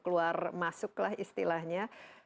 keluar masuk lah istilahnya